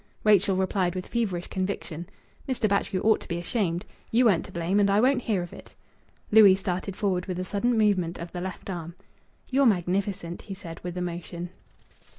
Rachel replied with feverish conviction "Mr. Batchgrew ought to be ashamed. You weren't to blame, and I won't hear of it!" Louis started forward with a sudden movement of the left arm. "You're magnificent," he said, with emotion.